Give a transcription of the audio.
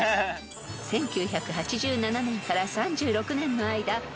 ［１９８７年から３６年の間愛される］